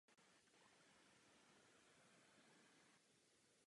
Pane předsedající, chtěl jsem podpořit pana Albertiniho.